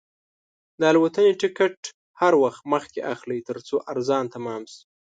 د الوتنې ټکټ هر وخت مخکې اخلئ، ترڅو ارزان تمام شي.